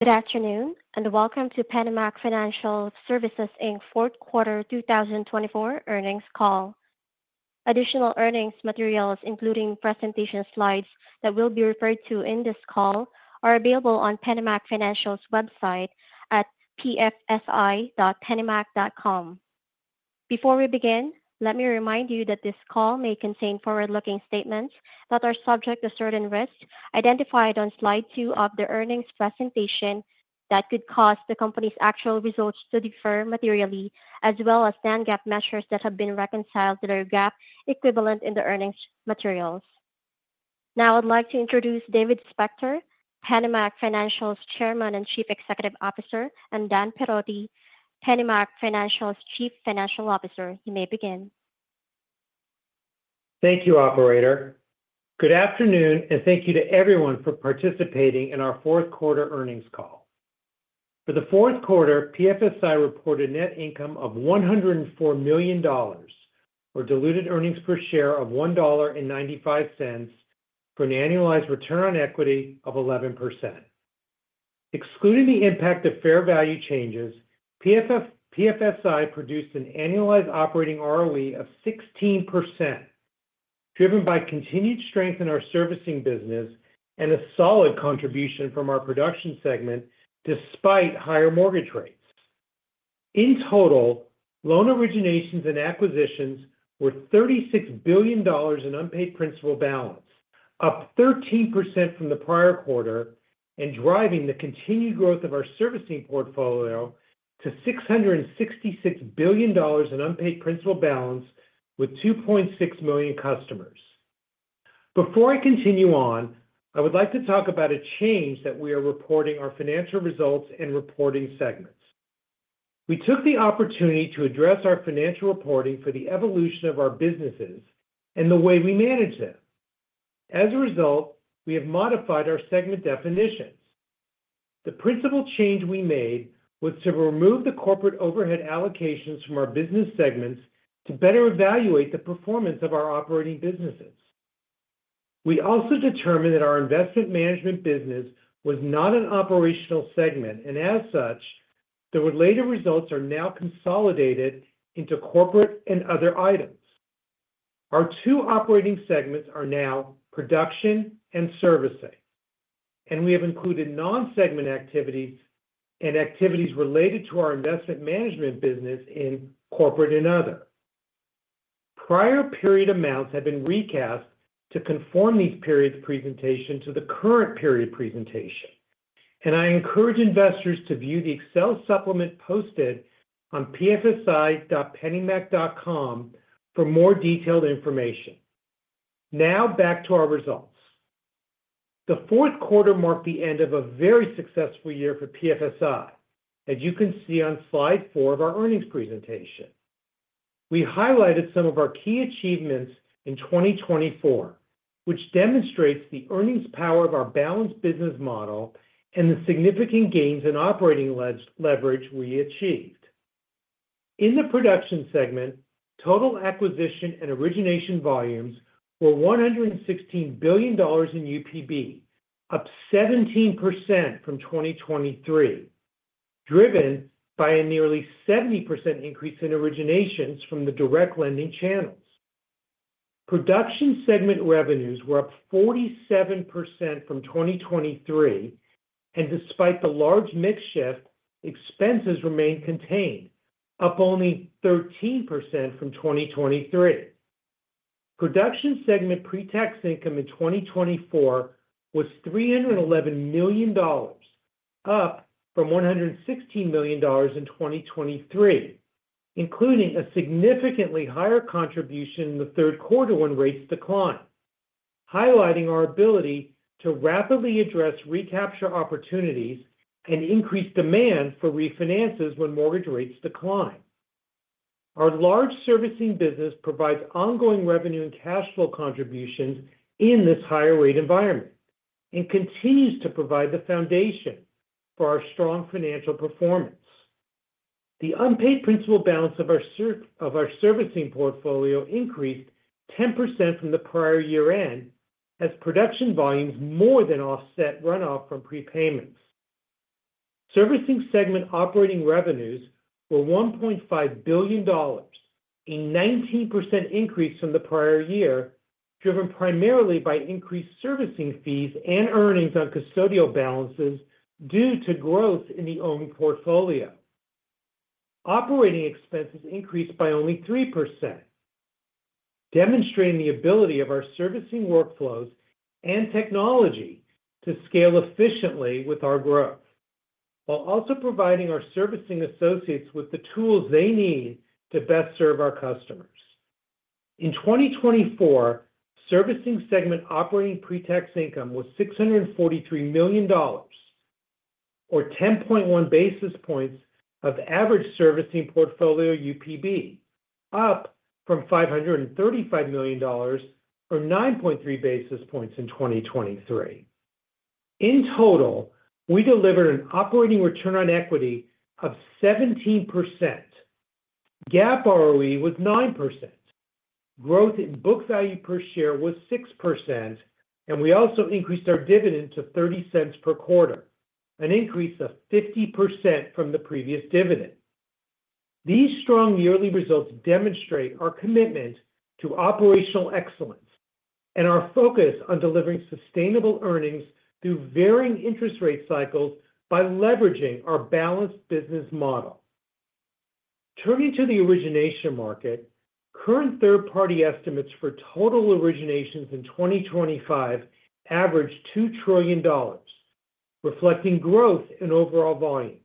Good afternoon, and welcome to PennyMac Financial Services Inc Fourth Quarter 2024 Earnings Call. Additional earnings materials, including presentation slides that will be referred to in this call, are available on PennyMac Financial's website at pfsi.pennymac.com. Before we begin, let me remind you that this call may contain forward-looking statements that are subject to certain risks identified on Slide two of the earnings presentation that could cause the company's actual results to differ materially, As well as non-GAAP measures that have been reconciled to their GAAP equivalent in the earnings materials. Now, I'd like to introduce David Spector, PennyMac Financial's Chairman and Chief Executive Officer, and Dan Perotti, PennyMac Financial's Chief Financial Officer. You may begin. Thank you, Operator. Good afternoon, and thank you to everyone for participating in our Fourth Quarter Earnings Call. For the fourth quarter, PFSI reported net income of $104 million, or diluted earnings per share of $1.95, for an annualized return on equity of 11%. Excluding the impact of fair value changes, PFSI produced an annualized operating ROE of 16%, driven by continued strength in our servicing business and a solid contribution from our production segment despite higher mortgage rates. In total, loan originations and acquisitions were $36 billion in unpaid principal balance, up 13% from the prior quarter, and driving the continued growth of our servicing portfolio to $666 billion in unpaid principal balance with 2.6 million customers. Before I continue on, I would like to talk about a change that we are reporting our financial results and reporting segments. We took the opportunity to address our financial reporting for the evolution of our businesses and the way we manage them. As a result, we have modified our segment definitions. The principal change we made was to remove the corporate overhead allocations from our business segments to better evaluate the performance of our operating businesses. We also determined that our investment management business was not an operational segment, and as such, the related results are now consolidated into corporate and other items. Our two operating segments are now production and servicing, and we have included non-segment activities and activities related to our investment management business in corporate and other. Prior period amounts have been recast to conform these periods' presentation to the current period presentation, and I encourage investors to view the Excel supplement posted on pfsi.pennymac.com for more detailed information. Now, back to our results. The fourth quarter marked the end of a very successful year for PFSI, as you can see on Slide four of our earnings presentation. We highlighted some of our key achievements in 2024, which demonstrates the earnings power of our balanced business model and the significant gains in operating leverage we achieved. In the production segment, total acquisition and origination volumes were $116 billion in UPB, up 17% from 2023, driven by a nearly 70% increase in originations from the direct lending channels. Production segment revenues were up 47% from 2023, and despite the large mix shift, expenses remained contained, up only 13% from 2023. Production segment pre-tax income in 2024 was $311 million, up from $116 million in 2023, including a significantly higher contribution in the third quarter when rates declined, highlighting our ability to rapidly address recapture opportunities and increase demand for refinances when mortgage rates decline. Our large servicing business provides ongoing revenue and cash flow contributions in this higher rate environment and continues to provide the foundation for our strong financial performance. The unpaid principal balance of our servicing portfolio increased 10% from the prior year-end as production volumes more than offset runoff from prepayments. Servicing segment operating revenues were $1.5 billion, a 19% increase from the prior year, driven primarily by increased servicing fees and earnings on custodial balances due to growth in the owned portfolio. Operating expenses increased by only 3%, demonstrating the ability of our servicing workflows and technology to scale efficiently with our growth, while also providing our servicing associates with the tools they need to best serve our customers. In 2024, servicing segment operating pre-tax income was $643 million, or 10.1 basis points of average servicing portfolio UPB, up from $535 million, or 9.3 basis points in 2023. In total, we delivered an operating return on equity of 17%, GAAP ROE was 9%, growth in book value per share was 6%, and we also increased our dividend to $0.30 per quarter, an increase of 50% from the previous dividend. These strong yearly results demonstrate our commitment to operational excellence and our focus on delivering sustainable earnings through varying interest rate cycles by leveraging our balanced business model. Turning to the origination market, current third-party estimates for total originations in 2025 average $2 trillion, reflecting growth in overall volumes.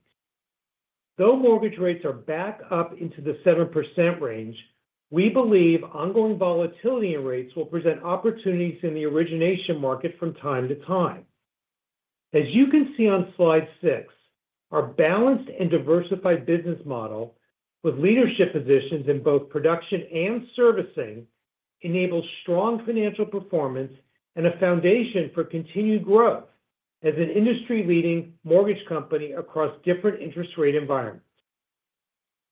Though mortgage rates are back up into the 7% range, we believe ongoing volatility in rates will present opportunities in the origination market from time to time. As you can see on Slide six, our balanced and diversified business model with leadership positions in both production and servicing enables strong financial performance and a foundation for continued growth as an industry-leading mortgage company across different interest rate environments.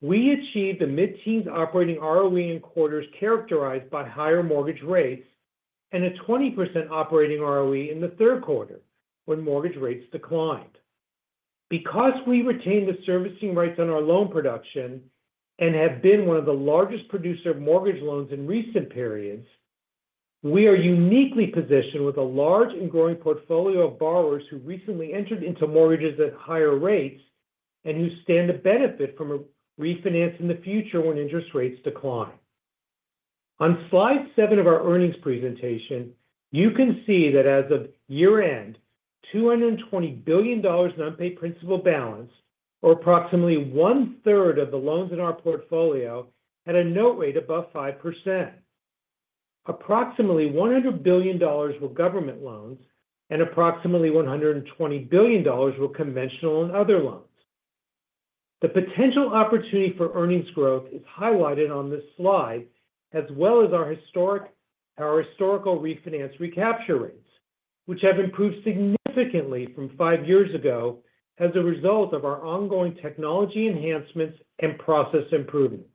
We achieved a mid-teens operating ROE in quarters characterized by higher mortgage rates and a 20% operating ROE in the third quarter when mortgage rates declined. Because we retained the servicing rights on our loan production and have been one of the largest producers of mortgage loans in recent periods, we are uniquely positioned with a large and growing portfolio of borrowers who recently entered into mortgages at higher rates and who stand to benefit from refinancing in the future when interest rates decline. On Slide seven of our earnings presentation, you can see that as of year-end, $220 billion in unpaid principal balance, or approximately one-third of the loans in our portfolio, had a note rate above 5%. Approximately $100 billion were government loans, and approximately $120 billion were conventional and other loans. The potential opportunity for earnings growth is highlighted on this slide, as well as our historical refinance recapture rates, which have improved significantly from five years ago as a result of our ongoing technology enhancements and process improvements.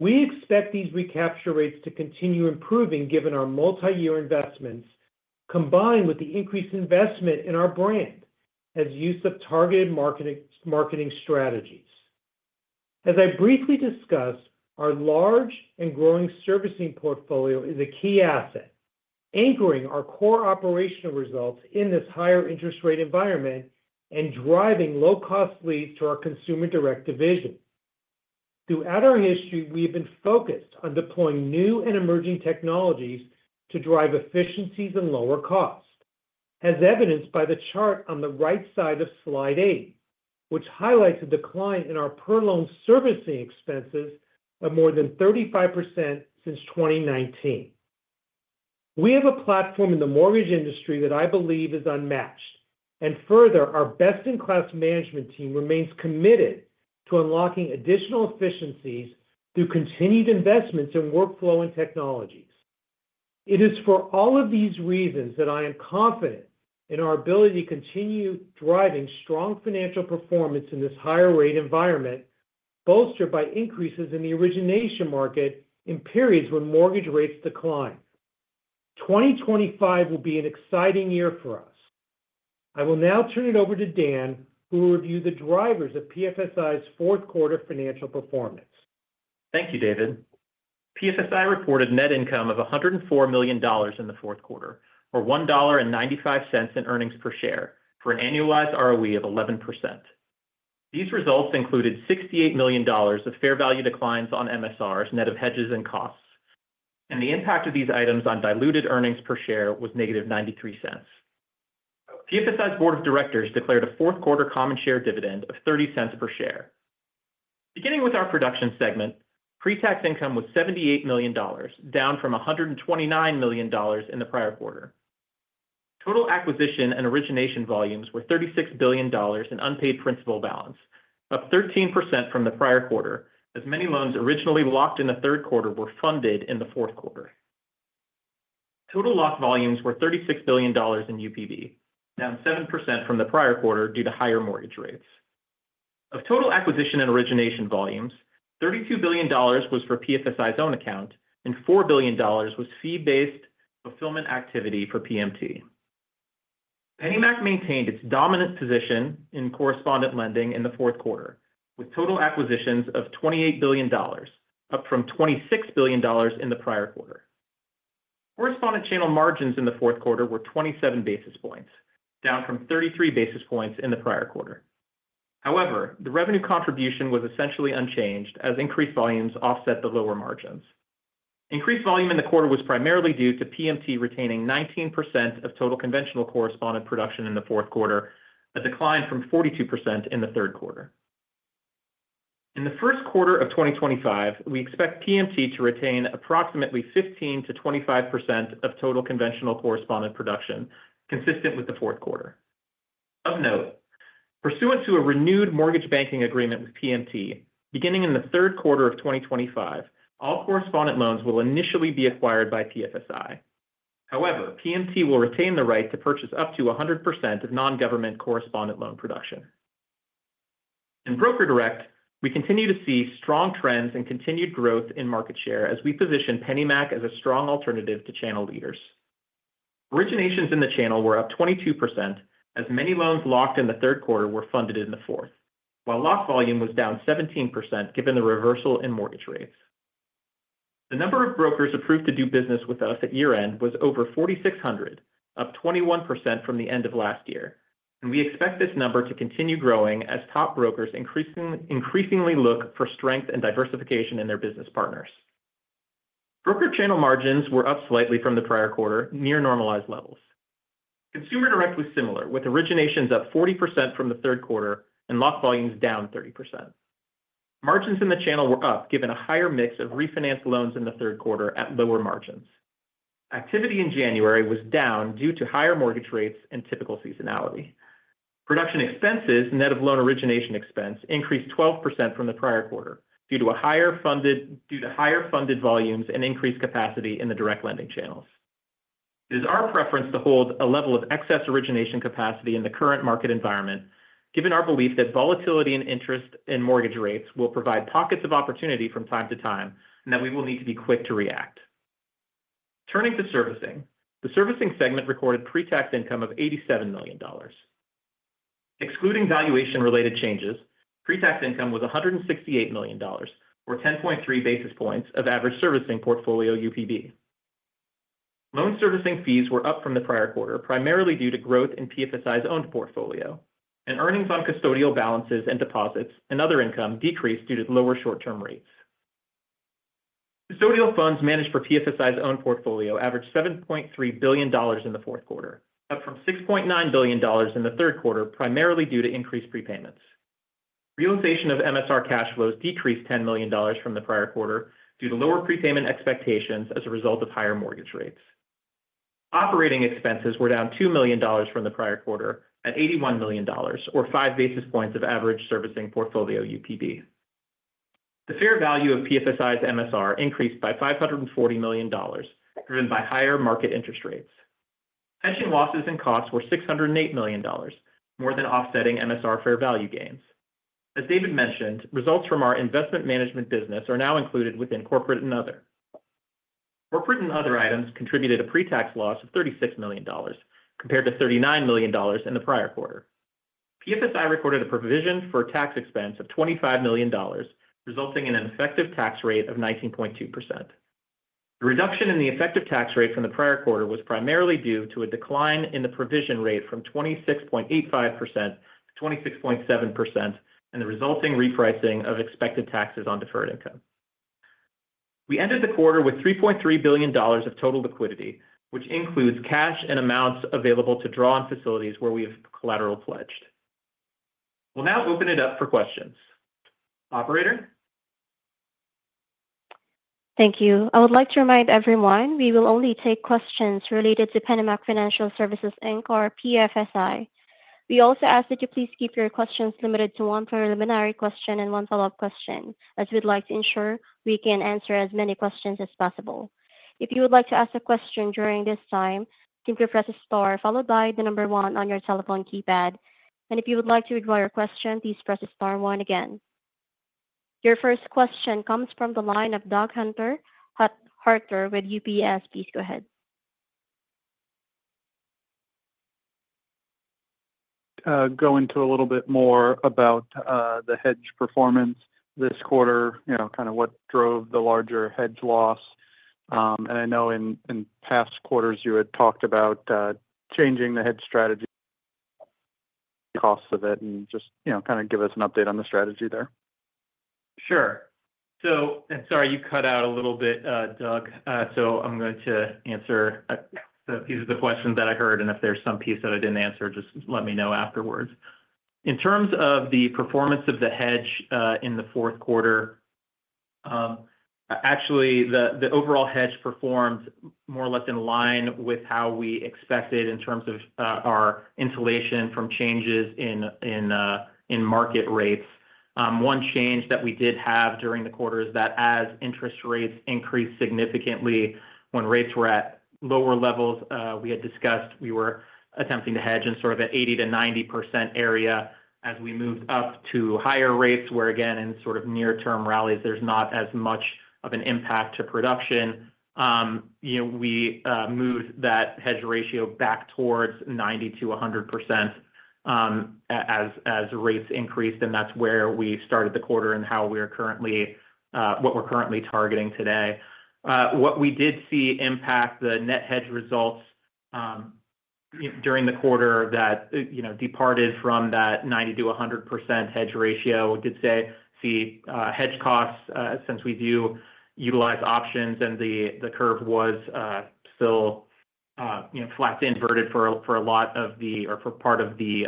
We expect these recapture rates to continue improving given our multi-year investments, combined with the increased investment in our brand and use of targeted marketing strategies. As I briefly discussed, our large and growing servicing portfolio is a key asset, anchoring our core operational results in this higher interest rate environment and driving low-cost leads to our Consumer Direct division. Throughout our history, we have been focused on deploying new and emerging technologies to drive efficiencies and lower costs, as evidenced by the chart on the right side of Slide eight, which highlights a decline in our per-loan servicing expenses of more than 35% since 2019. We have a platform in the mortgage industry that I believe is unmatched, and further, our best-in-class management team remains committed to unlocking additional efficiencies through continued investments in workflow and technologies. It is for all of these reasons that I am confident in our ability to continue driving strong financial performance in this higher rate environment, bolstered by increases in the origination market in periods when mortgage rates decline. 2025 will be an exciting year for us. I will now turn it over to Dan, who will review the drivers of PFSI's fourth quarter financial performance. Thank you, David. PFSI reported net income of $104 million in the fourth quarter, or $1.95 in earnings per share, for an annualized ROE of 11%. These results included $68 million of fair value declines on MSRs, net of hedges and costs, and the impact of these items on diluted earnings per share was negative $0.93. PFSI's board of directors declared a fourth quarter common share dividend of $0.30 per share. Beginning with our production segment, pre-tax income was $78 million, down from $129 million in the prior quarter. Total acquisition and origination volumes were $36 billion in unpaid principal balance, up 13% from the prior quarter, as many loans originally locked in the third quarter were funded in the fourth quarter. Total locked volumes were $36 billion in UPB, down 7% from the prior quarter due to higher mortgage rates. Of total acquisition and origination volumes, $32 billion was for PFSI's own account, and $4 billion was fee-based fulfillment activity for PMT. PennyMac maintained its dominant position in correspondent lending in the fourth quarter, with total acquisitions of $28 billion, up from $26 billion in the prior quarter. Correspondent channel margins in the fourth quarter were 27 basis points, down from 33 basis points in the prior quarter. However, the revenue contribution was essentially unchanged, as increased volumes offset the lower margins. Increased volume in the quarter was primarily due to PMT retaining 19% of total conventional correspondent production in the fourth quarter, a decline from 42% in the third quarter. In the first quarter of 2025, we expect PMT to retain approximately 15%-25% of total conventional correspondent production, consistent with the fourth quarter. Of note, pursuant to a renewed mortgage banking agreement with PMT, beginning in the third quarter of 2025, all correspondent loans will initially be acquired by PFSI. However, PMT will retain the right to purchase up to 100% of non-government correspondent loan production. In Broker Direct, we continue to see strong trends and continued growth in market share as we position PennyMac as a strong alternative to channel leaders. Originations in the channel were up 22%, as many loans locked in the third quarter were funded in the fourth, while locked volume was down 17% given the reversal in mortgage rates. The number of brokers approved to do business with us at year-end was over 4,600, up 21% from the end of last year, and we expect this number to continue growing as top brokers increasingly look for strength and diversification in their business partners. Broker channel margins were up slightly from the prior quarter, near normalized levels. Consumer direct was similar, with originations up 40% from the third quarter and locked volumes down 30%. Margins in the channel were up given a higher mix of refinanced loans in the third quarter at lower margins. Activity in January was down due to higher mortgage rates and typical seasonality. Production expenses, net of loan origination expense, increased 12% from the prior quarter due to higher funded volumes and increased capacity in the direct lending channels. It is our preference to hold a level of excess origination capacity in the current market environment, given our belief that volatility in interest and mortgage rates will provide pockets of opportunity from time to time and that we will need to be quick to react. Turning to servicing, the servicing segment recorded pre-tax income of $87 million. Excluding valuation-related changes, pre-tax income was $168 million, or 10.3 basis points of average servicing portfolio UPB. Loan servicing fees were up from the prior quarter, primarily due to growth in PFSI's owned portfolio, and earnings on custodial balances and deposits and other income decreased due to lower short-term rates. Custodial funds managed for PFSI's owned portfolio averaged $7.3 billion in the fourth quarter, up from $6.9 billion in the third quarter, primarily due to increased prepayments. Realization of MSR cash flows decreased $10 million from the prior quarter due to lower prepayment expectations as a result of higher mortgage rates. Operating expenses were down $2 million from the prior quarter at $81 million, or 5 basis points of average servicing portfolio UPB. The fair value of PFSI's MSR increased by $540 million, driven by higher market interest rates. Hedging losses and costs were $608 million, more than offsetting MSR fair value gains. As David mentioned, results from our investment management business are now included within corporate and other. Corporate and other items contributed a pre-tax loss of $36 million, compared to $39 million in the prior quarter. PFSI recorded a provision for tax expense of $25 million, resulting in an effective tax rate of 19.2%. The reduction in the effective tax rate from the prior quarter was primarily due to a decline in the provision rate from 26.85% - 26.7% and the resulting repricing of expected taxes on deferred income. We ended the quarter with $3.3 billion of total liquidity, which includes cash and amounts available to draw on facilities where we have collateral pledged. We'll now open it up for questions. Operator? Thank you. I would like to remind everyone we will only take questions related to PennyMac Financial Services Inc, or PFSI. We also ask that you please keep your questions limited to one preliminary question and one follow-up question, as we'd like to ensure we can answer as many questions as possible. If you would like to ask a question during this time, simply press a star, followed by the number one on your telephone keypad, and if you would like to read your question, please press the star one again. Your first question comes from the line of Doug Harter with UBS. Please go ahead. Go into a little bit more about the hedge performance this quarter, kind of what drove the larger hedge loss, and I know in past quarters you had talked about changing the hedge strategy, costs of it, and just kind of give us an update on the strategy there. Sure, and sorry, you cut out a little bit, Doug, so I'm going to answer a few of the questions that I heard, and if there's some piece that I didn't answer, just let me know afterwards. In terms of the performance of the hedge in the fourth quarter, actually, the overall hedge performed more or less in line with how we expected in terms of our insulation from changes in market rates. One change that we did have during the quarter is that as interest rates increased significantly when rates were at lower levels, we had discussed we were attempting to hedge in sort of an 80%-90% area as we moved up to higher rates, where again, in sort of near-term rallies, there's not as much of an impact to production. We moved that hedge ratio back towards 90%-100% as rates increased. That's where we started the quarter and how we're currently targeting today. What we did see impact the net hedge results during the quarter that departed from that 90%-100% hedge ratio. We did see hedge costs since we do utilize options, and the curve was still flat to inverted for part of the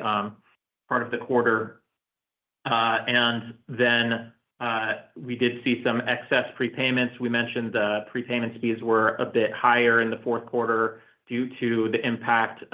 quarter. Then we did see some excess prepayments. We mentioned the prepayment speeds were a bit higher in the fourth quarter due to the impact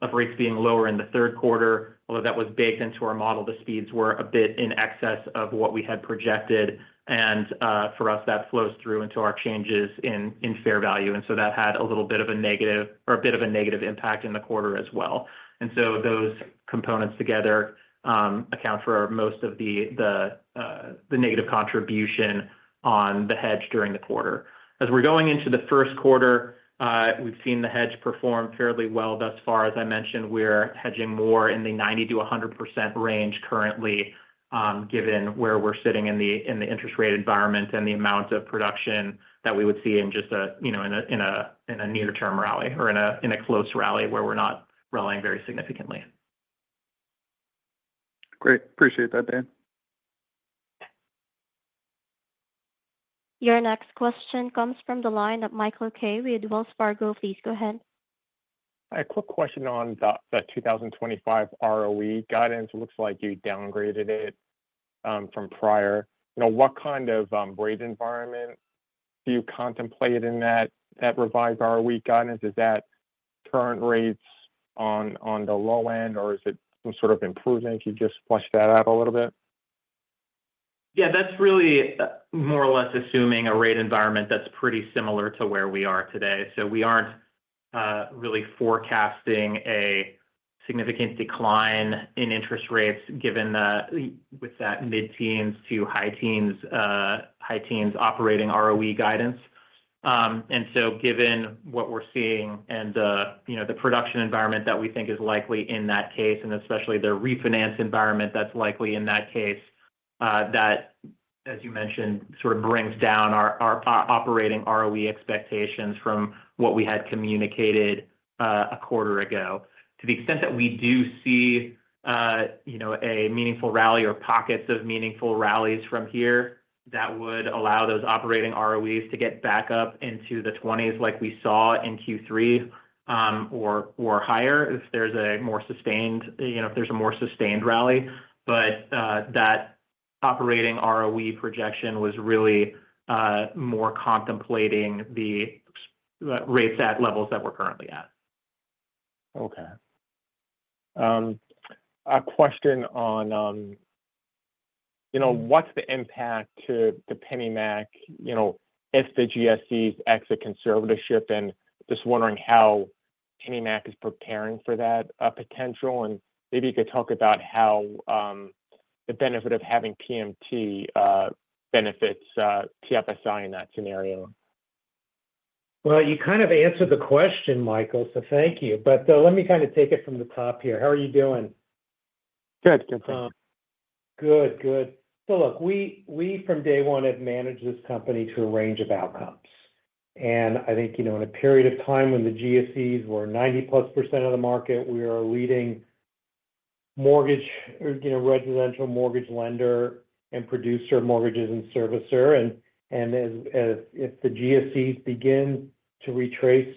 of rates being lower in the third quarter. Although that was baked into our model, the speeds were a bit in excess of what we had projected. For us, that flows through into our changes in fair value. And so that had a little bit of a negative or a bit of a negative impact in the quarter as well. And so those components together account for most of the negative contribution on the hedge during the quarter. As we're going into the first quarter, we've seen the hedge perform fairly well thus far. As I mentioned, we're hedging more in the 90%-100% range currently, given where we're sitting in the interest rate environment and the amount of production that we would see in just a near-term rally or in a close rally where we're not rallying very significantly. Great. Appreciate that, Dan. Your next question comes from the line of Michael Kaye with Wells Fargo. Please go ahead. A quick question on the 2025 ROE guidance. It looks like you downgraded it from prior. What kind of rate environment do you contemplate in that revised ROE guidance? Is that current rates on the low end, or is it some sort of improvement? Can you just flesh that out a little bit? Yeah, that's really more or less assuming a rate environment that's pretty similar to where we are today. So we aren't really forecasting a significant decline in interest rates given that with that mid-teens to high-teens operating ROE guidance. And so given what we're seeing and the production environment that we think is likely in that case, and especially the refinance environment that's likely in that case, that, as you mentioned, sort of brings down our operating ROE expectations from what we had communicated a quarter ago. To the extent that we do see a meaningful rally or pockets of meaningful rallies from here, that would allow those operating ROEs to get back up into the 20s like we saw in Q3 or higher if there's a more sustained rally. But that operating ROE projection was really more contemplating the rates at levels that we're currently at. Okay. A question on what's the impact to PennyMac if the GSEs exit conservatorship, and just wondering how PennyMac is preparing for that potential. And maybe you could talk about how the benefit of having PMT benefits PFSI in that scenario. You kind of answered the question, Michael, so thank you. But let me kind of take it from the top here. How are you doing? Good. Good. Thanks. Good. Good. So look, we from day one have managed this company to a range of outcomes, and I think in a period of time when the GSEs were 90%+ of the market, we are a leading residential mortgage lender and producer of mortgages and servicer. And if the GSEs begin to retrace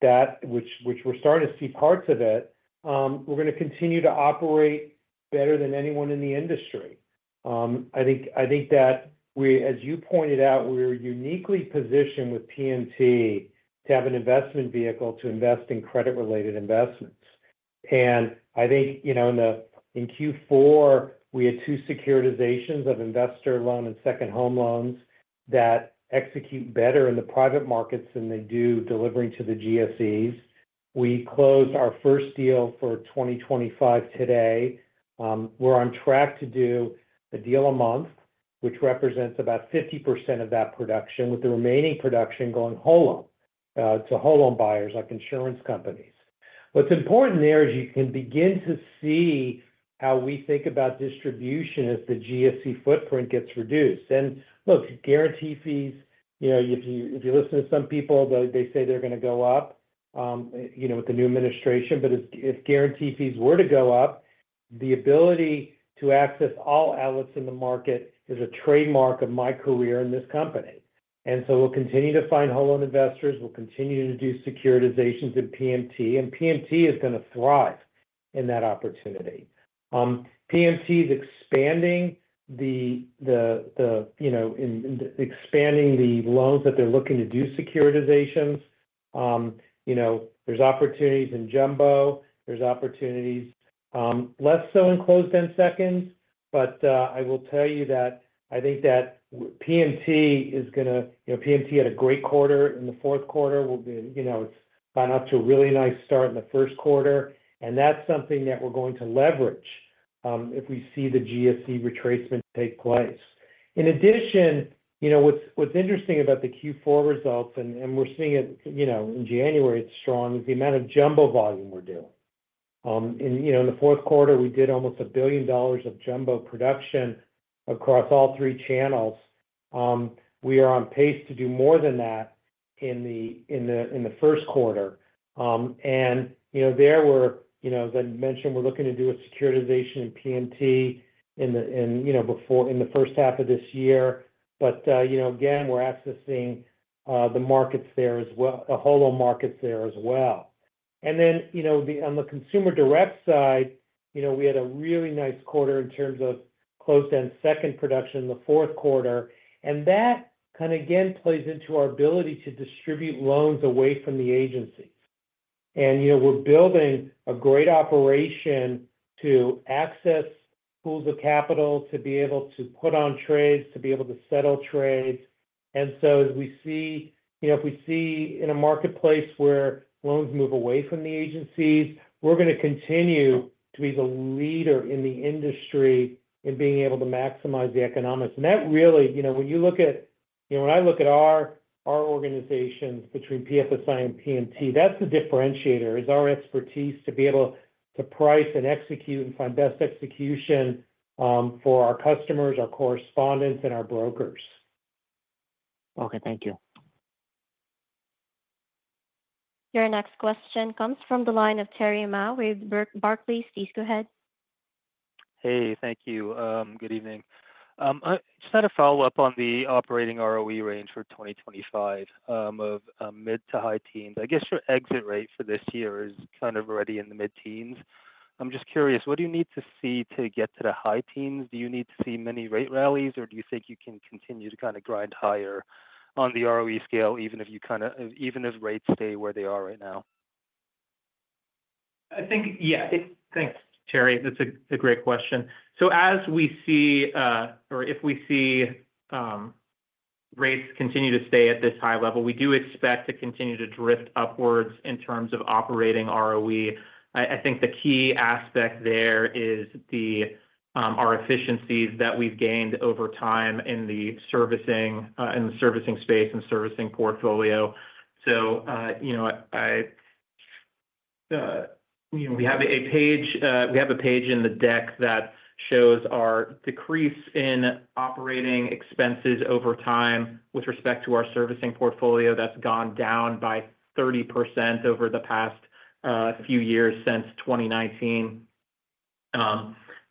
that, which we're starting to see parts of it, we're going to continue to operate better than anyone in the industry. I think that, as you pointed out, we're uniquely positioned with PMT to have an investment vehicle to invest in credit-related investments. And I think in Q4, we had two securitizations of investor loan and second home loans that execute better in the private markets than they do delivering to the GSEs. We closed our first deal for 2025 today. We're on track to do a deal a month, which represents about 50% of that production, with the remaining production going to whole loan buyers like insurance companies. What's important there is you can begin to see how we think about distribution as the GSE footprint gets reduced. Look, guarantee fees, if you listen to some people, they say they're going to go up with the new administration. If guarantee fees were to go up, the ability to access all outlets in the market is a trademark of my career in this company. We'll continue to find whole loan investors. We'll continue to do securitizations in PMT. PMT is going to thrive in that opportunity. PMT is expanding the loans that they're looking to do securitizations. There's opportunities in jumbo. There's opportunities less so in closed-end seconds. But I will tell you that I think that PMT had a great quarter in the fourth quarter. It's gotten up to a really nice start in the first quarter. And that's something that we're going to leverage if we see the GSE retracement take place. In addition, what's interesting about the Q4 results, and we're seeing it in January, it's strong, is the amount of jumbo volume we're doing. In the fourth quarter, we did almost $1 billion of jumbo production across all three channels. We are on pace to do more than that in the first quarter. And, as I mentioned, we're looking to do a securitization in PMT in the first half of this year. But again, we're accessing the markets there as well, the whole loan markets there as well. And then on the consumer direct side, we had a really nice quarter in terms of closed-end second production in the fourth quarter. And that kind of again plays into our ability to distribute loans away from the agencies. And we're building a great operation to access pools of capital, to be able to put on trades, to be able to settle trades. And so as we see in a marketplace where loans move away from the agencies, we're going to continue to be the leader in the industry in being able to maximize the economics. And that really, when I look at our organizations between PFSI and PMT, that's the differentiator, is our expertise to be able to price and execute and find best execution for our customers, our correspondents, and our brokers. Okay. Thank you. Your next question comes from the line of Terry Ma with Barclays. Please go ahead. Hey. Thank you. Good evening. Just had a follow-up on the operating ROE range for 2025 of mid- to high teens. I guess your exit rate for this year is kind of already in the mid-teens. I'm just curious, what do you need to see to get to the high-teens? Do you need to see many rate rallies, or do you think you can continue to kind of grind higher on the ROE scale, even if rates stay where they are right now? I think, yeah. Thanks, Terry. That's a great question. So as we see or if we see rates continue to stay at this high level, we do expect to continue to drift upwards in terms of operating ROE. I think the key aspect there is our efficiencies that we've gained over time in the servicing space and servicing portfolio. So we have a page in the deck that shows our decrease in operating expenses over time with respect to our servicing portfolio that's gone down by 30% over the past few years since 2019.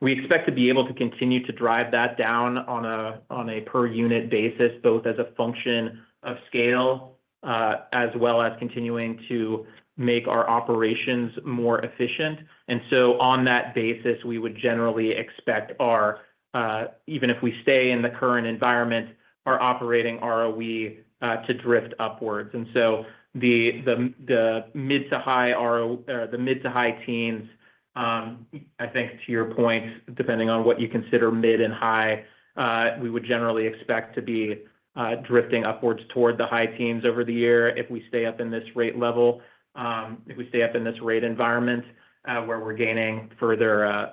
We expect to be able to continue to drive that down on a per-unit basis, both as a function of scale as well as continuing to make our operations more efficient. And so on that basis, we would generally expect our, even if we stay in the current environment, our operating ROE to drift upwards. And so the mid to high or the mid to high-teens, I think to your point, depending on what you consider mid and high, we would generally expect to be drifting upwards toward the high-teens over the year if we stay up in this rate level, if we stay up in this rate environment where we're gaining further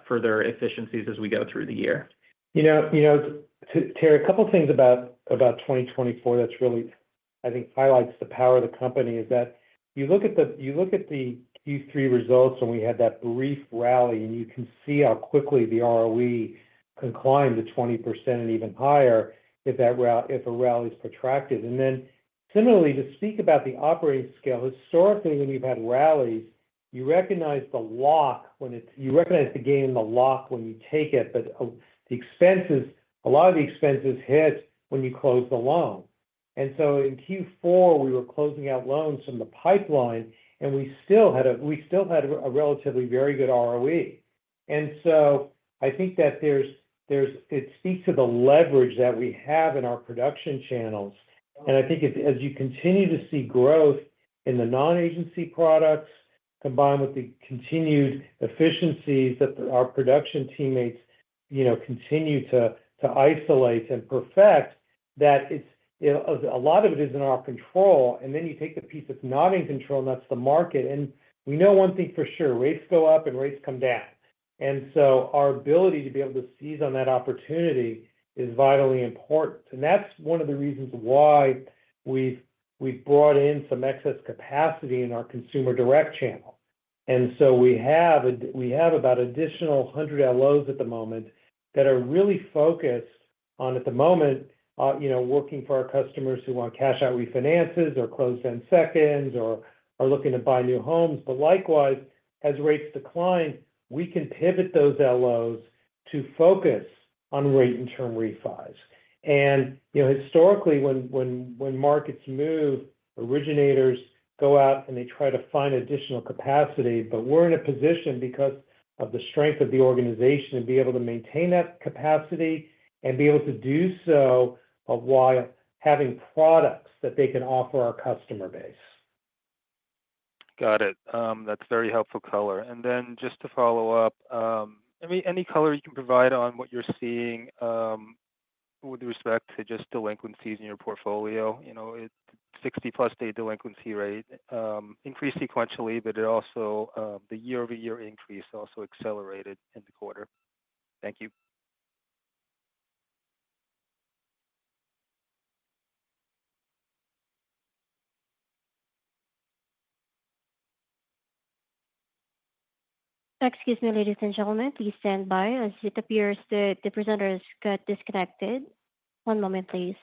efficiencies as we go through the year. You know, Terry, a couple of things about 2024 that's really, I think, highlights the power of the company is that you look at the Q3 results, and we had that brief rally, and you can see how quickly the ROE can climb to 20% and even higher if a rally is protracted. And then similarly, to speak about the operating scale, historically, when you've had rallies, you recognize the lock when it's. You recognize the gain and the lock when you take it. But the expenses, a lot of the expenses hit when you close the loan. And so in Q4, we were closing out loans from the pipeline, and we still had a relatively very good ROE. And so I think that there's. It speaks to the leverage that we have in our production channels. I think as you continue to see growth in the non-agency products combined with the continued efficiencies that our production teammates continue to isolate and perfect, that a lot of it is in our control. Then you take the piece that's not in control, and that's the market. We know one thing for sure. Rates go up and rates come down. Our ability to be able to seize on that opportunity is vitally important. That's one of the reasons why we've brought in some excess capacity in our consumer direct channel. We have about an additional 100 LOs at the moment that are really focused on, at the moment, working for our customers who want cash-out refinances or closed-end seconds or are looking to buy new homes. But likewise, as rates decline, we can pivot those LOs to focus on rate and term refis. And historically, when markets move, originators go out and they try to find additional capacity. But we're in a position, because of the strength of the organization, to be able to maintain that capacity and be able to do so while having products that they can offer our customer base. Got it. That's very helpful color. And then just to follow up, any color you can provide on what you're seeing with respect to just delinquencies in your portfolio, 60-plus-day delinquency rate, increased sequentially, but also the year-over-year increase also accelerated in the quarter. Thank you. Excuse me, ladies and gentlemen, please stand by as it appears the presenter has got disconnected. One moment, please.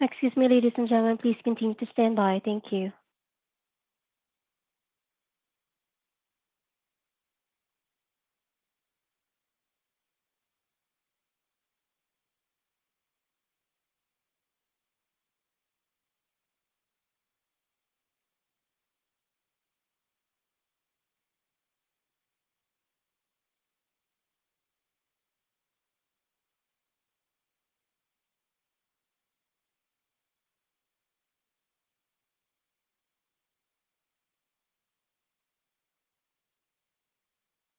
Excuse me, ladies and gentlemen, please continue to stand by. Thank you.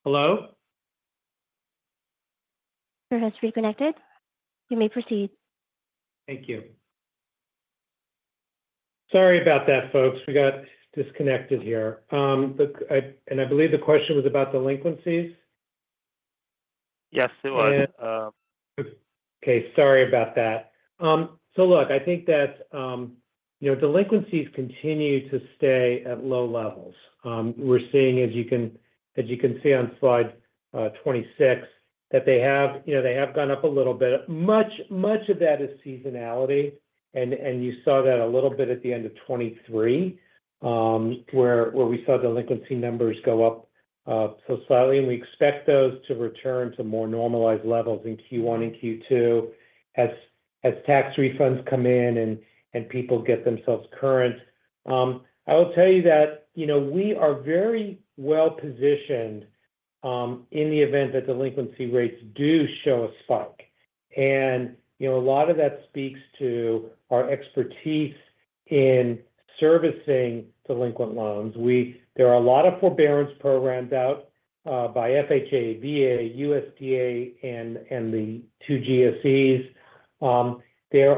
Hello? host has reconnected. You may proceed. Thank you. Sorry about that, folks. We got disconnected here, and I believe the question was about delinquencies? Yes, it was. Okay. Sorry about that. So look, I think that delinquencies continue to stay at low levels. We're seeing, as you can see on Slide 26, that they have gone up a little bit. Much of that is seasonality. And you saw that a little bit at the end of 2023, where we saw delinquency numbers go up so slightly. And we expect those to return to more normalized levels in Q1 and Q2 as tax refunds come in and people get themselves current. I will tell you that we are very well-positioned in the event that delinquency rates do show a spike. And a lot of that speaks to our expertise in servicing delinquent loans. There are a lot of forbearance programs out by FHA, VA, USDA, and the two GSEs. There's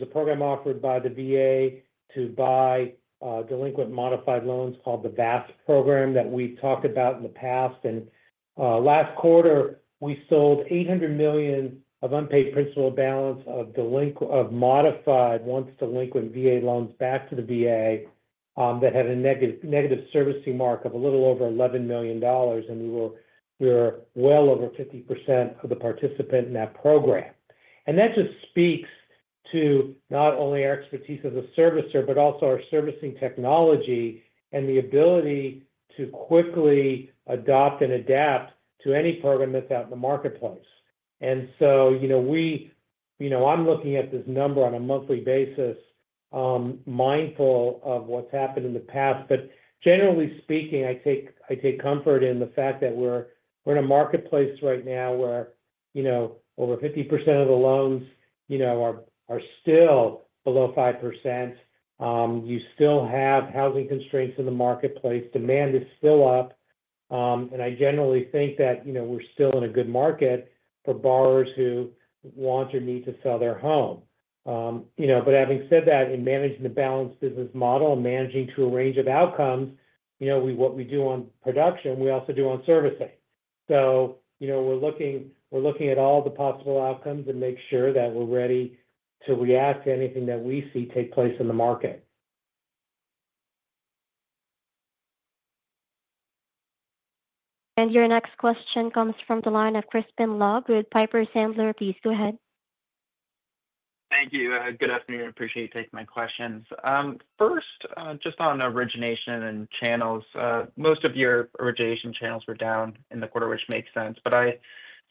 a program offered by the VA to buy delinquent modified loans called the VASP program that we've talked about in the past. And last quarter, we sold $800 million of unpaid principal balance of modified, once-delinquent, VA loans back to the VA that had a negative servicing mark of a little over $11 million. And we were well over 50% of the participant in that program. And that just speaks to not only our expertise as a servicer, but also our servicing technology and the ability to quickly adopt and adapt to any program that's out in the marketplace. And so I'm looking at this number on a monthly basis, mindful of what's happened in the past. But generally speaking, I take comfort in the fact that we're in a marketplace right now where over 50% of the loans are still below 5%. You still have housing constraints in the marketplace. Demand is still up, and I generally think that we're still in a good market for borrowers who want or need to sell their home, but having said that, in managing the balanced business model and managing to a range of outcomes, what we do on production, we also do on servicing, so we're looking at all the possible outcomes and make sure that we're ready to react to anything that we see take place in the market. Your next question comes from the line of Crispin Love with Piper Sandler. Please go ahead. Thank you. Good afternoon. I appreciate you taking my questions. First, just on origination and channels, most of your origination channels were down in the quarter, which makes sense. But I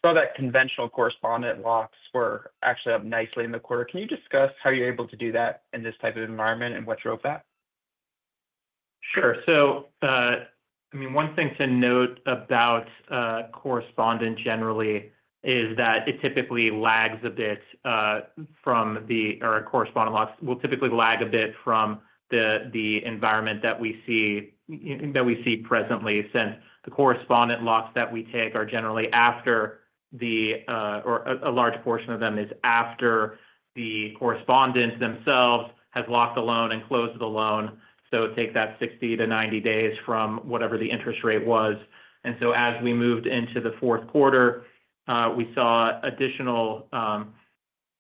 saw that conventional correspondent locks were actually up nicely in the quarter. Can you discuss how you're able to do that in this type of environment and what drove that? Sure. So I mean, one thing to note about correspondent generally is that it typically lags a bit from correspondent locks will typically lag a bit from the environment that we see presently since the correspondent locks that we take are generally after a large portion of them is after the correspondent themselves has locked a loan and closed the loan. So it takes that 60-90 days from whatever the interest rate was. And so as we moved into the fourth quarter, we saw additional, or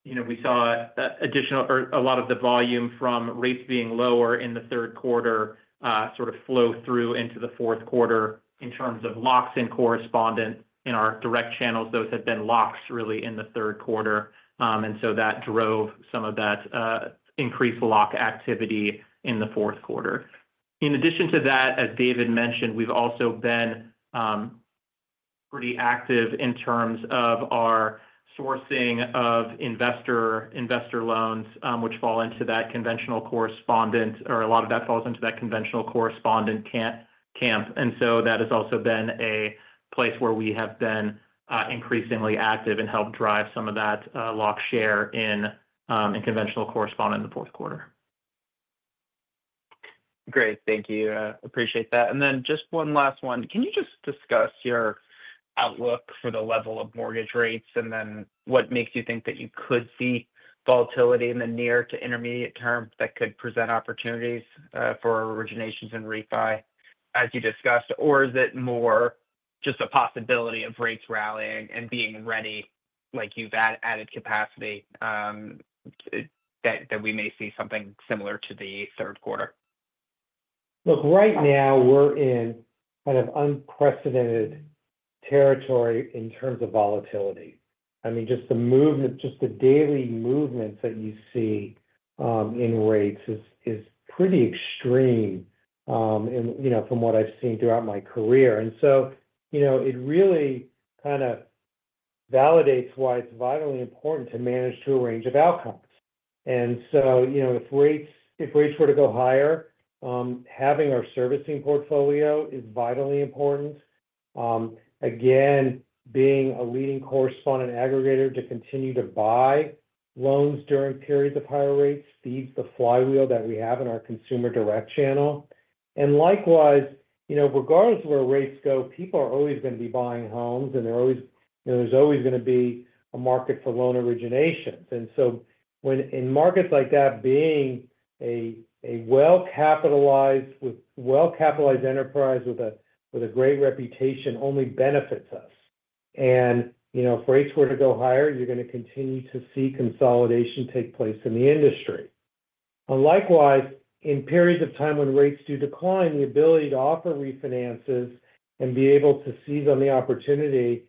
a lot of the volume from rates being lower in the third quarter sort of flow through into the fourth quarter in terms of locks and correspondent in our direct channels. Those had been locks really in the third quarter. And so that drove some of that increased lock activity in the fourth quarter. In addition to that, as David mentioned, we've also been pretty active in terms of our sourcing of investor loans, which fall into that conventional correspondent or a lot of that falls into that conventional correspondent camp, and so that has also been a place where we have been increasingly active and helped drive some of that lock share in conventional correspondent in the fourth quarter. Great. Thank you. Appreciate that. And then just one last one. Can you just discuss your outlook for the level of mortgage rates and then what makes you think that you could see volatility in the near to intermediate term that could present opportunities for originations and refi, as you discussed? Or is it more just a possibility of rates rallying and being ready like you've added capacity that we may see something similar to the third quarter? Look, right now, we're in kind of unprecedented territory in terms of volatility. I mean, just the movement, just the daily movements that you see in rates is pretty extreme from what I've seen throughout my career. And so it really kind of validates why it's vitally important to manage to a range of outcomes. And so if rates were to go higher, having our servicing portfolio is vitally important. Again, being a leading correspondent aggregator to continue to buy loans during periods of higher rates feeds the flywheel that we have in our consumer direct channel. And likewise, regardless of where rates go, people are always going to be buying homes, and there's always going to be a market for loan originations. And so in markets like that, being a well-capitalized enterprise with a great reputation only benefits us. And if rates were to go higher, you're going to continue to see consolidation take place in the industry. Likewise, in periods of time when rates do decline, the ability to offer refinances and be able to seize on the opportunity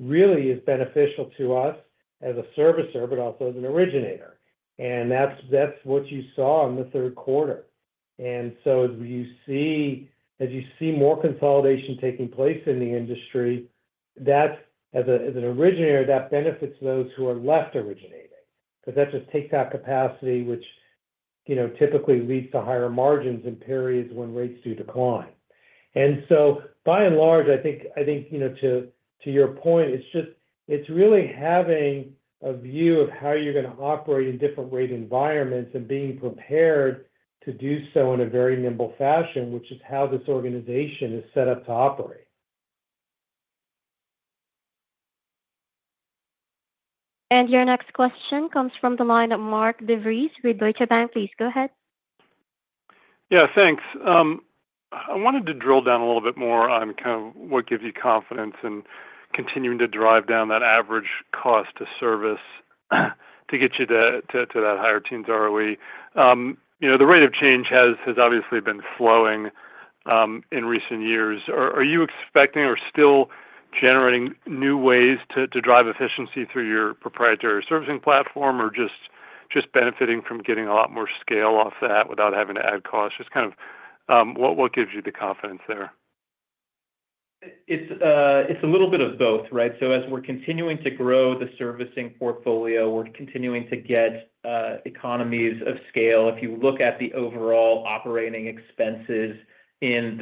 really is beneficial to us as a servicer, but also as an originator. And that's what you saw in the third quarter. And so as you see more consolidation taking place in the industry, as an originator, that benefits those who are left originating. Because that just takes out capacity, which typically leads to higher margins in periods when rates do decline. And so by and large, I think to your point, it's really having a view of how you're going to operate in different rate environments and being prepared to do so in a very nimble fashion, which is how this organization is set up to operate. Your next question comes from the line of Mark DeVries with Deutsche Bank. Please go ahead. Yeah, thanks. I wanted to drill down a little bit more on kind of what gives you confidence in continuing to drive down that average cost to service to get you to that higher teens ROE. The rate of change has obviously been slowing in recent years. Are you expecting or still generating new ways to drive efficiency through your proprietary servicing platform or just benefiting from getting a lot more scale off that without having to add costs? Just kind of what gives you the confidence there? It's a little bit of both, right? So as we're continuing to grow the servicing portfolio, we're continuing to get economies of scale. If you look at the overall operating expenses in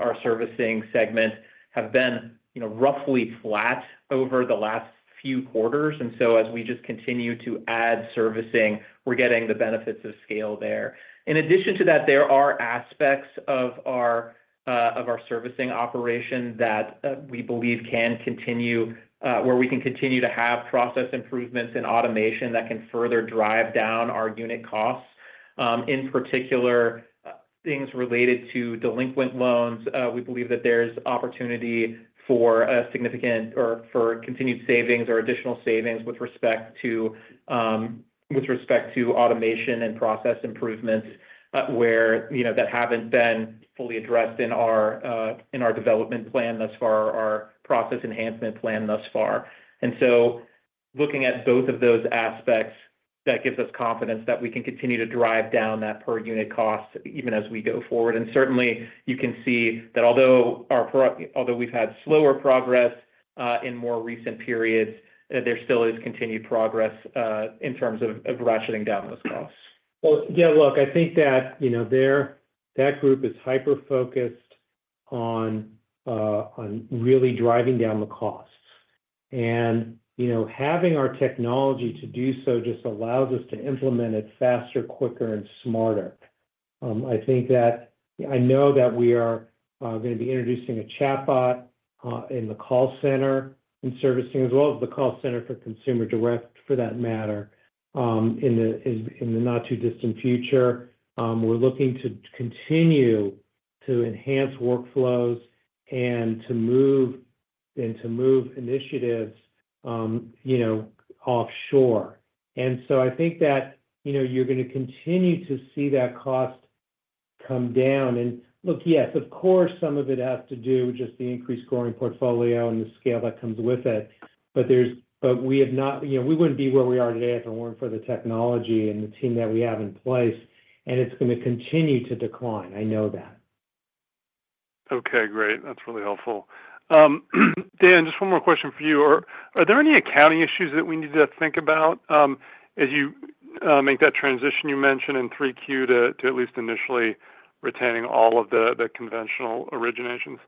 our servicing segment, they have been roughly flat over the last few quarters. And so as we just continue to add servicing, we're getting the benefits of scale there. In addition to that, there are aspects of our servicing operation that we believe can continue where we can continue to have process improvements and automation that can further drive down our unit costs. In particular, things related to delinquent loans, we believe that there's opportunity for significant or for continued savings or additional savings with respect to automation and process improvements that haven't been fully addressed in our development plan thus far, our process enhancement plan thus far. Looking at both of those aspects, that gives us confidence that we can continue to drive down that per unit cost even as we go forward. Certainly, you can see that although we've had slower progress in more recent periods, there still is continued progress in terms of ratcheting down those costs. Yeah, look, I think that that group is hyper-focused on really driving down the costs. Having our technology to do so just allows us to implement it faster, quicker, and smarter. I know that we are going to be introducing a chatbot in the call center and servicing, as well as the call center for consumer direct for that matter, in the not-too-distant future. We're looking to continue to enhance workflows and to move initiatives offshore. I think that you're going to continue to see that cost come down. And look, yes, of course, some of it has to do with just the increased growing portfolio and the scale that comes with it. But we wouldn't be where we are today if it weren't for the technology and the team that we have in place. And it's going to continue to decline. I know that. Okay. Great. That's really helpful. Dan, just one more question for you. Are there any accounting issues that we need to think about as you make that transition you mentioned in 3Q to at least initially retaining all of the conventional originations?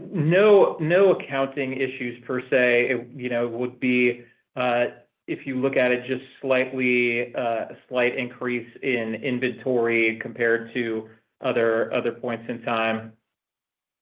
No accounting issues per se. It would be, if you look at it, just a slight increase in inventory compared to other points in time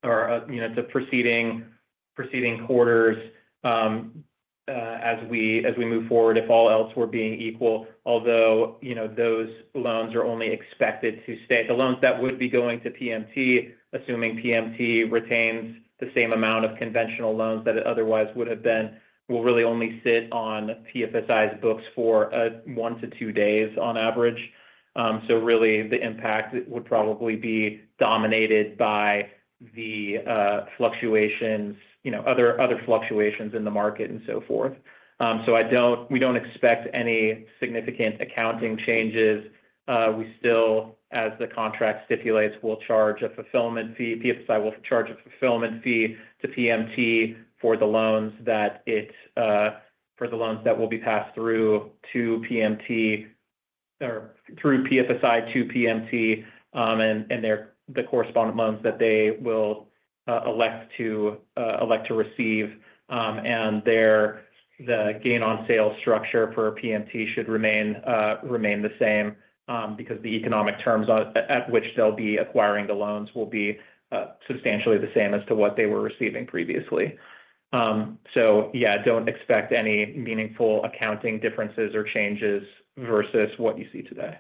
or to preceding quarters as we move forward, if all else were being equal. Although those loans are only expected to stay. The loans that would be going to PMT, assuming PMT retains the same amount of conventional loans that it otherwise would have been, will really only sit on PFSI's books for one to two days on average. So really, the impact would probably be dominated by the other fluctuations in the market and so forth. So we don't expect any significant accounting changes. We still, as the contract stipulates, will charge a fulfillment fee. PFSI will charge a fulfillment fee to PMT for the loans that will be passed through to PMT or through PFSI to PMT and the correspondent loans that they will elect to receive. And the gain-on-sale structure for PMT should remain the same because the economic terms at which they'll be acquiring the loans will be substantially the same as to what they were receiving previously. So yeah, don't expect any meaningful accounting differences or changes versus what you see today.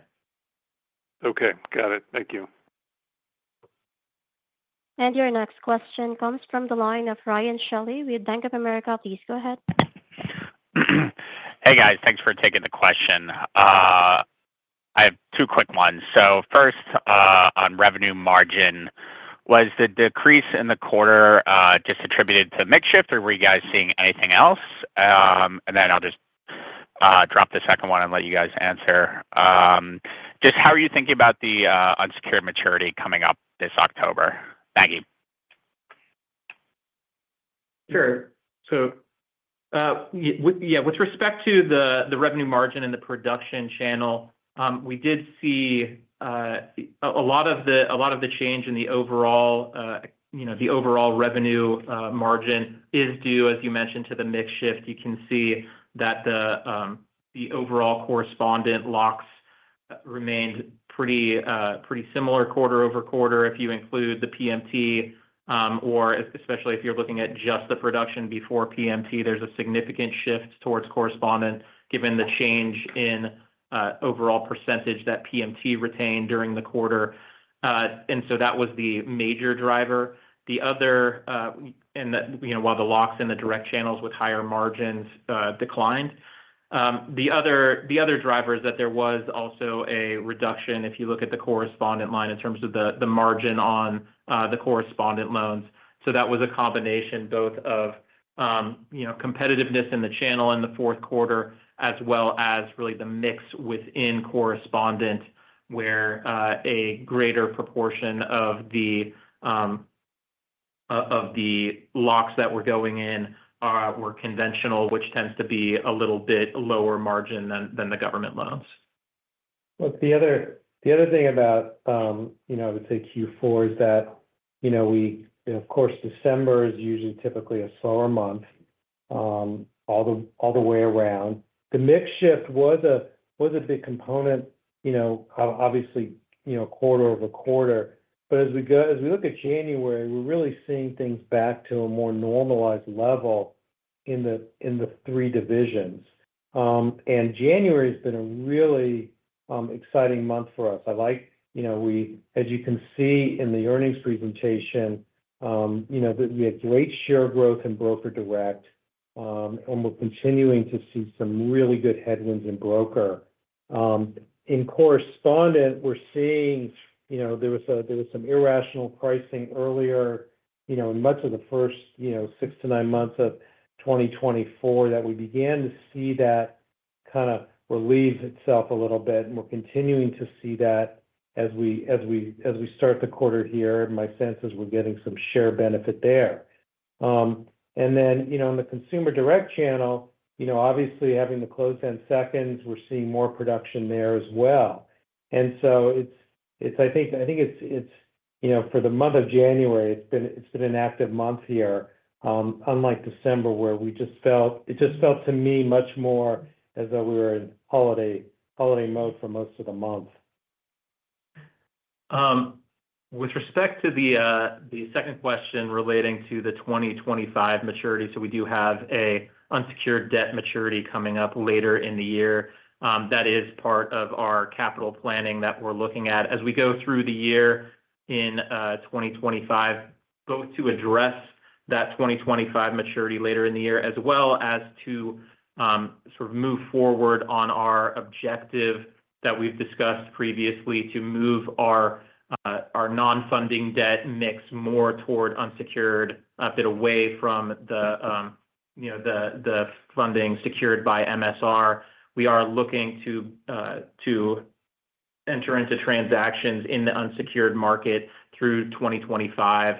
Okay. Got it. Thank you. Your next question comes from the line of Ryan Shelly with Bank of America. Please go ahead. Hey, guys. Thanks for taking the question. I have two quick ones. So first, on revenue margin, was the decrease in the quarter just attributed to mix shift, or were you guys seeing anything else? And then I'll just drop the second one and let you guys answer. Just how are you thinking about the unsecured maturity coming up this October? Maybe. Sure. So yeah, with respect to the revenue margin and the production channel, we did see a lot of the change in the overall revenue margin is due, as you mentioned, to the mix shift. You can see that the overall correspondent locks remained pretty similar quarter over quarter if you include the PMT, or especially if you're looking at just the production before PMT. There's a significant shift towards correspondent given the change in overall percentage that PMT retained during the quarter. And so that was the major driver. And while the locks and the direct channels with higher margins declined, the other driver is that there was also a reduction if you look at the correspondent line in terms of the margin on the correspondent loans. So that was a combination both of competitiveness in the channel in the fourth quarter, as well as really the mix within correspondent where a greater proportion of the locks that were going in were conventional, which tends to be a little bit lower margin than the government loans. Look, the other thing about, I would say, Q4 is that, of course, December is usually typically a slower month all the way around. The mix shift was a big component, obviously, quarter over quarter. But as we look at January, we're really seeing things back to a more normalized level in the three divisions. January has been a really exciting month for us. As you can see in the earnings presentation, we had great share growth in broker direct, and we're continuing to see some really good tailwinds in broker. In correspondent, we're seeing there was some irrational pricing earlier in much of the first six to nine months of 2024 that we began to see that kind of relieve itself a little bit. We're continuing to see that as we start the quarter here. My sense is we're getting some share benefit there. Then in the consumer direct channel, obviously, having the closed-end seconds, we're seeing more production there as well. So I think for the month of January, it's been an active month here, unlike December, where it just felt, to me, much more as though we were in holiday mode for most of the month. With respect to the second question relating to the 2025 maturity, so we do have an unsecured debt maturity coming up later in the year. That is part of our capital planning that we're looking at as we go through the year in 2025, both to address that 2025 maturity later in the year, as well as to sort of move forward on our objective that we've discussed previously to move our non-funding debt mix more toward unsecured, a bit away from the funding secured by MSR. We are looking to enter into transactions in the unsecured market through 2025,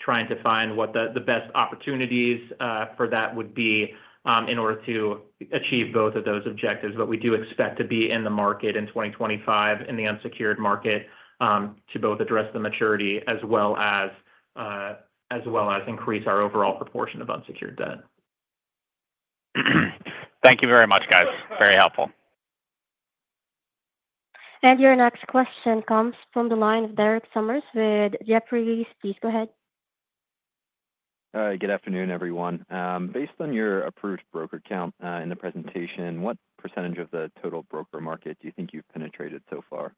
trying to find what the best opportunities for that would be in order to achieve both of those objectives. But we do expect to be in the market in 2025 in the unsecured market to both address the maturity as well as increase our overall proportion of unsecured debt. Thank you very much, guys. Very helpful. Your next question comes from the line of Derek Sommers with Jefferies. Please go ahead. Good afternoon, everyone. Based on your approved broker count in the presentation, what percent of the total broker market do you think you've penetrated so far?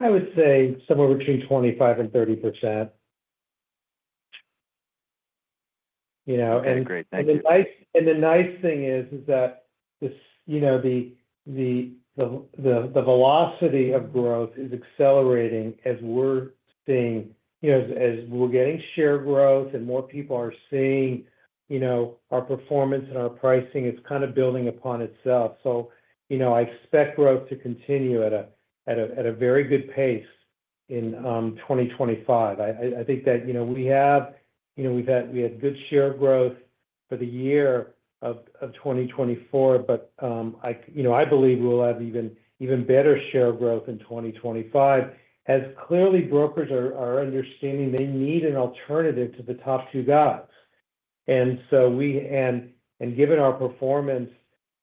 I would say somewhere between 25% and 30%. Okay. Great. Thank you. The nice thing is that the velocity of growth is accelerating as we're seeing, as we're getting share growth and more people are seeing our performance and our pricing. It's kind of building upon itself. I expect growth to continue at a very good pace in 2025. I think that we had good share growth for the year of 2024, But I believe we'll have even better share growth in 2025 as clearly brokers are understanding they need an alternative to the top two guys. Given our performance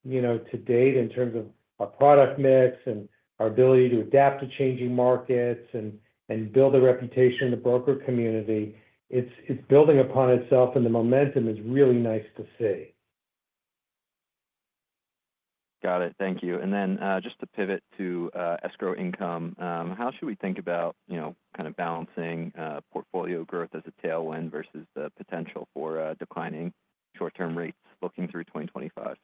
to date in terms of our product mix and our ability to adapt to changing markets and build a reputation in the broker community, it's building upon itself, and the momentum is really nice to see. Got it. Thank you. And then just to pivot to escrow income, how should we think about kind of balancing portfolio growth as a tailwind versus the potential for declining short-term rates looking through 2025?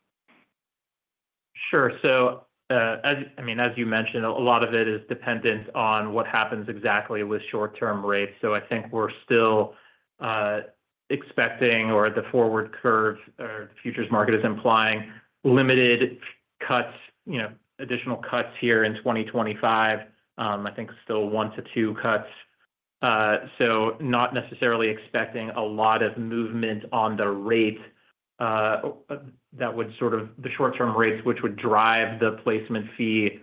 Sure. So I mean, as you mentioned, a lot of it is dependent on what happens exactly with short-term rates. So I think we're still expecting, or the forward curve or the futures market is implying, limited cuts, additional cuts here in 2025. I think still one to two cuts. So not necessarily expecting a lot of movement on the rate that would sort of the short-term rates which would drive the placement fee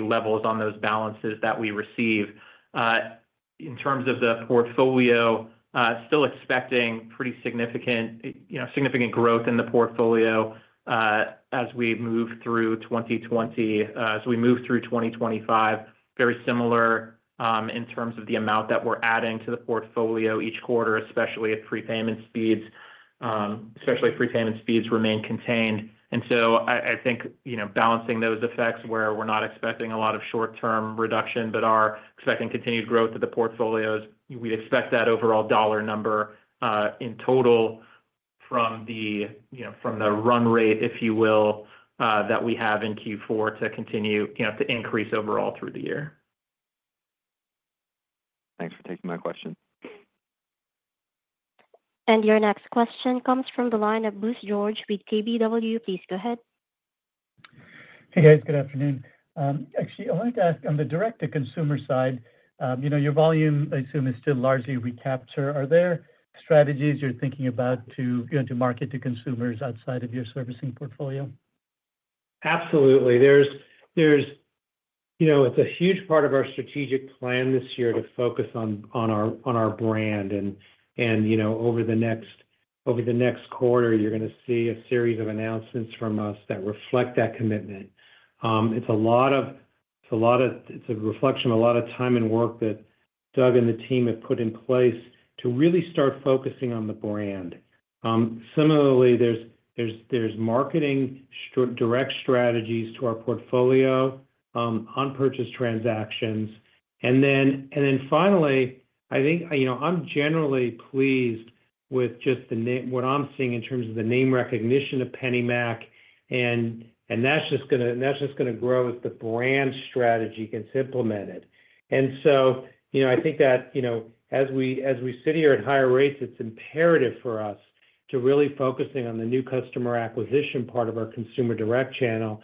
levels on those balances that we receive. In terms of the portfolio, still expecting pretty significant growth in the portfolio as we move through 2020, as we move through 2025, very similar in terms of the amount that we're adding to the portfolio each quarter, especially if prepayment speeds, especially if prepayment speeds remain contained. And so, I think, balancing those effects where we're not expecting a lot of short-term reduction but are expecting continued growth of the portfolios, we'd expect that overall dollar number in total from the run rate, if you will, that we have in Q4 to continue to increase overall through the year. Thanks for taking my question. Your next question comes from the line of Bose George with KBW. Please go ahead. Hey, guys. Good afternoon. Actually, I wanted to ask, on the direct-to-consumer side, your volume, I assume, is still largely recapture. Are there strategies you're thinking about to market to consumers outside of your servicing portfolio? Absolutely. It's a huge part of our strategic plan this year to focus on our brand. Over the next quarter, you're going to see a series of announcements from us that reflect that commitment. It's a reflection of a lot of time and work that Doug and the team have put in place to really start focusing on the brand. Similarly, there's marketing direct strategies to our portfolio on purchase transactions. Then finally, I think I'm generally pleased with just what I'm seeing in terms of the name recognition of PennyMac. And that's just going to grow as the brand strategy gets implemented. So I think that as we sit here at higher rates, it's imperative for us to really focus on the new customer acquisition part of our consumer direct channel.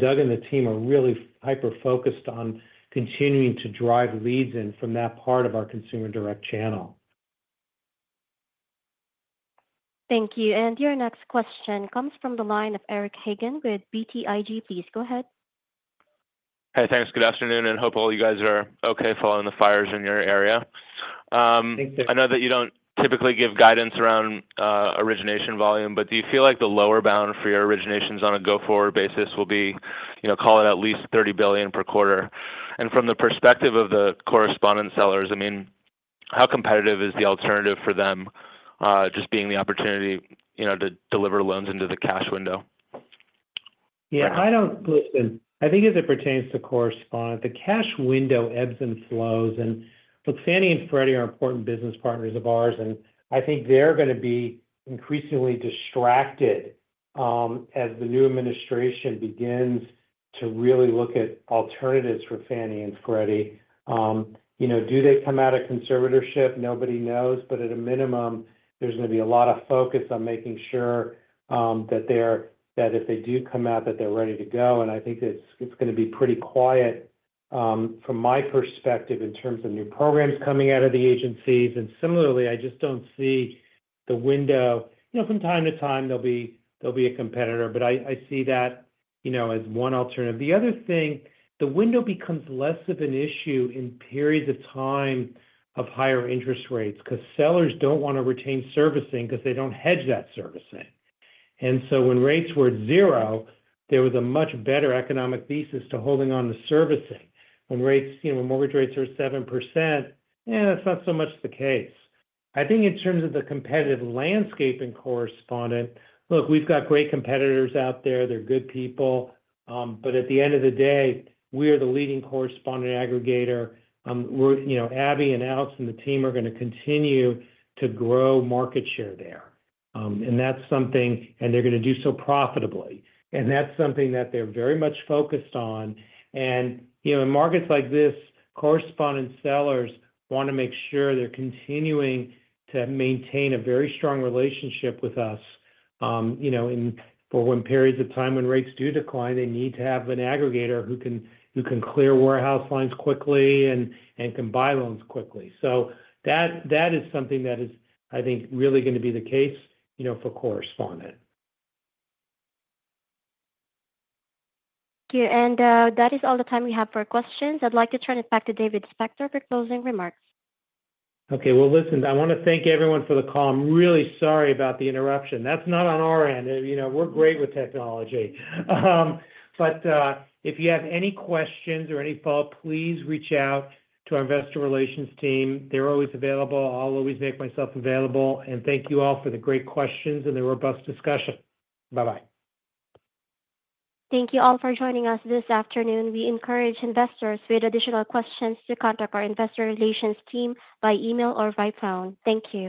Doug and the team are really hyper-focused on continuing to drive leads in from that part of our Consumer Direct channel. Thank you. And your next question comes from the line of Eric Hagan with BTIG. Please go ahead. Hey, thanks. Good afternoon, and hope all you guys are okay following the fires in your area. I know that you don't typically give guidance around origination volume, but do you feel like the lower bound for your originations on a go-forward basis will be call it at least $30 billion per quarter? And from the perspective of the correspondent sellers, I mean, how competitive is the alternative for them just being the opportunity to deliver loans into the cash window? Yeah. I don't. Listen, I think as it pertains to correspondent, the cash window ebbs and flows. And look, Fannie and Freddie are important business partners of ours, and I think they're going to be increasingly distracted as the new administration begins to really look at alternatives for Fannie and Freddie. Do they come out of conservatorship? Nobody knows, but at a minimum, there's going to be a lot of focus on making sure that if they do come out, that they're ready to go. I think it's going to be pretty quiet from my perspective in terms of new programs coming out of the agencies. Similarly, I just don't see the window. From time to time, there'll be a competitor, but I see that as one alternative. The other thing, the window becomes less of an issue in periods of time of higher interest rates because sellers don't want to retain servicing because they don't hedge that servicing. And so when rates were at zero, there was a much better economic thesis to holding on to servicing. When mortgage rates are at 7%, yeah, that's not so much the case. I think in terms of the competitive landscape in correspondent, look, we've got great competitors out there. They're good people. But at the end of the day, we are the leading correspondent aggregator. Abbie and Alex and the team are going to continue to grow market share there. And that's something, and they're going to do so profitably. And that's something that they're very much focused on. And in markets like this, correspondent sellers want to make sure they're continuing to maintain a very strong relationship with us. For when periods of time when rates do decline, they need to have an aggregator who can clear warehouse lines quickly and can buy loans quickly. So that is something that is, I think, really going to be the case for correspondent. Thank you. And that is all the time we have for questions. I'd like to turn it back to David Spector for closing remarks. Okay. Well, listen, I want to thank everyone for the call. I'm really sorry about the interruption. That's not on our end. We're great with technology. But if you have any questions or any follow-up, please reach out to our investor relations team. They're always available. I'll always make myself available. And thank you all for the great questions and the robust discussion. Bye-bye. Thank you all for joining us this afternoon. We encourage investors with additional questions to contact our investor relations team by email or by phone. Thank you.